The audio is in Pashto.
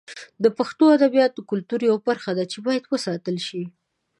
د پښتو ادبیات د کلتور یوه برخه ده چې باید وساتل شي.